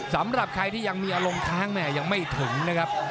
สำหรับใครที่ยังมีอารมณ์ค้างแม่ยังไม่ถึงนะครับ